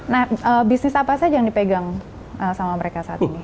nah bisnis apa saja yang dipegang sama mereka saat ini